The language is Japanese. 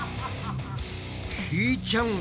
ひーちゃん海も。